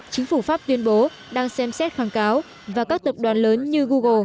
chính phủ pháp tuyên bố đang xem xét kháng cáo và các tập đoàn lớn như google